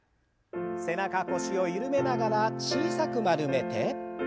背中腰を緩めながら小さく丸めて。